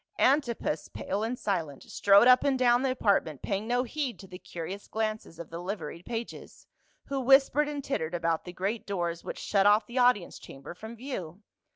Antipas pale and silent, strode up and down the apartment pa} ing no heed to the curious glances of the liveried pages, who whispered and tittered about the great doors which shut off the audience chamber from \ iew.